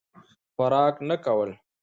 خوراک نه کول.